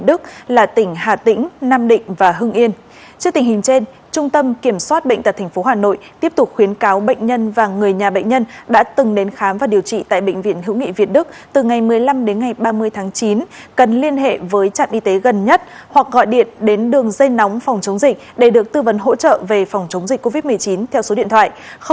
trước tình hình trên trung tâm kiểm soát bệnh tật tp hà nội tiếp tục khuyến cáo bệnh nhân và người nhà bệnh nhân đã từng đến khám và điều trị tại bệnh viện hữu nghị việt đức từ ngày một mươi năm đến ngày ba mươi tháng chín cần liên hệ với trạm y tế gần nhất hoặc gọi điện đến đường dây nóng phòng chống dịch để được tư vấn hỗ trợ về phòng chống dịch covid một mươi chín theo số điện thoại chín trăm sáu mươi chín tám mươi hai một mươi một